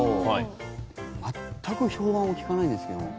全く評判を聞かないんですけども。